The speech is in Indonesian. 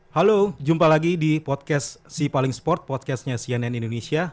halo jumpa lagi di podcast sipaling sport podcastnya cnn indonesia